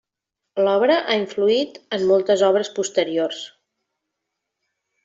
L'obra ha influït en moltes obres posteriors.